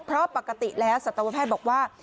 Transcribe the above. เพราะปกติแล้วสัตวแพทย์บอกว่า